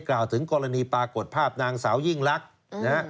กล่าวถึงกรณีปรากฏภาพนางสาวยิ่งลักษณ์นะฮะ